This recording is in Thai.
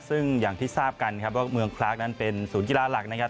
ซึ่งอย่างที่ทราบกันครับว่าเมืองคลากนั้นเป็นศูนย์กีฬาหลักนะครับ